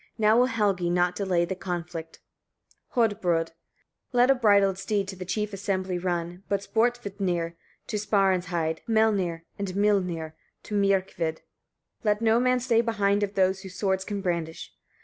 Now will Helgi not delay the conflict." Hodbrodd. 50. "Let a bridled steed to the chief assembly run, but Sporvitnir to Sparinsheid; Melnir and Mylnir to Myrkvid; let no man stay behind of those who swords can brandish.